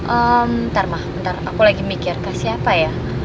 ehm ntar mah ntar aku lagi mikir kasih apa ya